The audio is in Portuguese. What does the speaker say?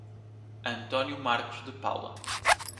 Antônio Marcos de Paula